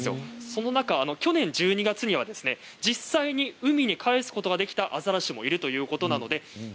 そんな中、去年１２月には実際に海に返すことができたアザラシもいるということです。